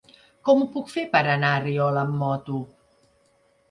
Com ho puc fer per anar a Riola amb moto?